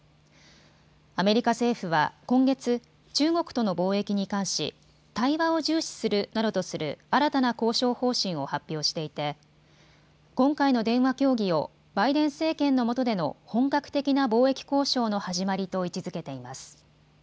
アメリカ政府は今月、中国との貿易に関し対話を重視するなどとする新たな交渉方針を発表していて今回の電話協議をバイデン政権のもとでの本格的な貿易交渉の始まりと位置づけています。